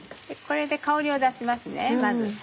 これで香りを出しますねまず。